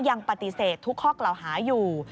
ยังปฏิเสธทุกข้อกล่าวหาอยู่